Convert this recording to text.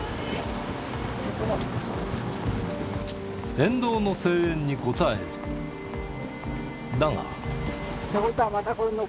沿道の声援に応え、だが。